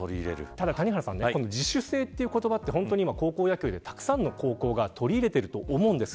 ただ谷原さんこの自主性という言葉って今、高校野球でたくさんの高校が取り入れてると思うんです。